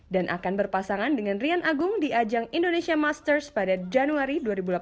dan akan berpasangan dengan rian agung di ajang indonesia masters pada januari dua ribu delapan belas